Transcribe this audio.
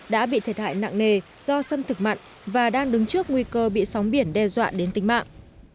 đã bị thiệt hại nặng nề do xâm thực mặn và đang đứng trước nguy cơ bị sóng biển đe dọa đến tính mạng